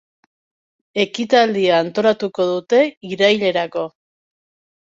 Ekitaldia antolatuko dute irailerako.